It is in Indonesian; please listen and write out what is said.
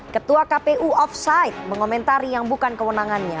ketua kpu offside mengomentari yang bukan kewenangannya